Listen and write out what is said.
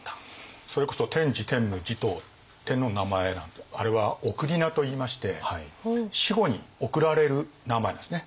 それこそ天智天武持統天皇の名前なんてあれは諡といいまして死後におくられる名前ですね。